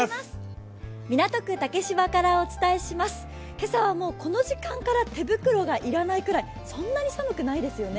今朝はこの時間から手袋が要らないくらい、そんなに寒くないですね